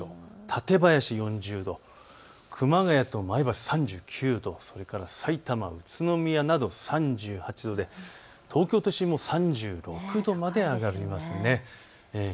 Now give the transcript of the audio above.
館林４０度、熊谷と前橋３９度、さいたま、宇都宮など３８度で東京都心も３６度まで上がります。